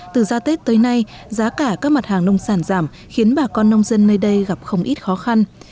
từ ra tết tới nay giá cả các mặt hàng nông sản giảm khiến bà con nông dân nơi đây gặp không ít khó khăn